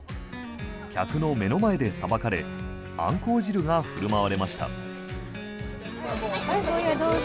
客の目の前でさばかれアンコウ汁が振る舞われました。